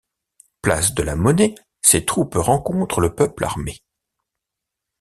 Place de la Monnaie, ses troupes rencontrent le peuple armé.